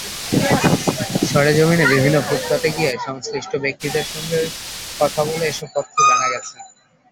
সরেজমিনে বিভিন্ন ফুটপাতে গিয়ে সংশ্লিষ্ট ব্যক্তিদের সঙ্গে কথা বলে এসব তথ্য জানা গেছে।